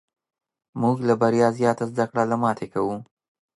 موږ له بریا زیاته زده کړه له ماتې کوو.